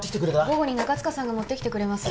午後に中塚さんが持ってきてくれます